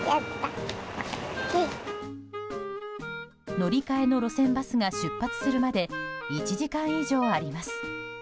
乗り換えの路線バスが出発するまで１時間以上あります。